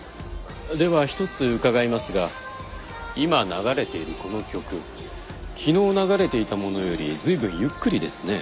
では一つ伺いますが今流れているこの曲昨日流れていたものよりずいぶんゆっくりですね。